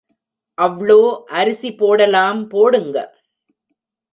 அவ்ளோ அரிசி போடலாம், போடுங்க